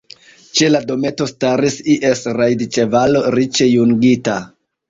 Ĉe la dometo staris ies rajdĉevalo, riĉe jungita.